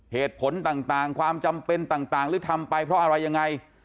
เหตุผลต่างความจำเป็นต่างหรือทำไปเพราะอะไรยังไง